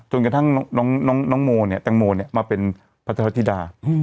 จนกระทั่งน้องโมมาเป็นพระทธิดา